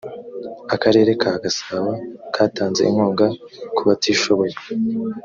akarere ka gasabo katanze inkunga kubatishoboye